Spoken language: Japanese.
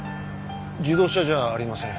自動車じゃありません。